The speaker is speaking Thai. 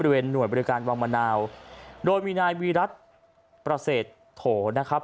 ที่บริเวณหน่วยบริการวังมะนาวโดยมีนายวีรัตน์ปราเสสโถนะครับ